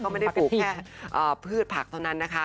ไม่ได้ปลูกแค่พืชผักเท่านั้นนะคะ